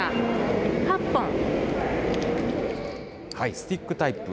スティックタイプ。